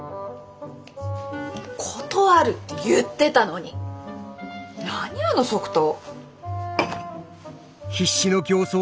断るって言ってたのに何あの即答。